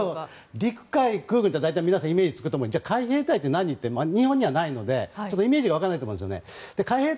陸海空軍は大体イメージがつくと思いますがじゃあ海兵隊って何って日本にはないのでイメージが湧かないと思うんですよね。